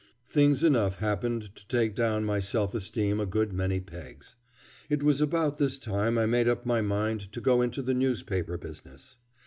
Things enough happened to take down my self esteem a good many pegs. It was about this time I made up my mind to go into the newspaper business.